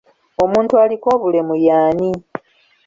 Omuntu aliko obulemu y'ani?